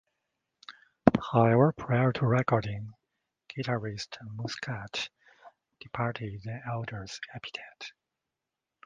However, prior to recording, guitarist Muscat departed Adler's Appetite.